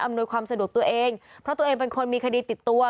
ความสะดวกตัวเองเพราะตัวเองเป็นคนมีคดีติดตัว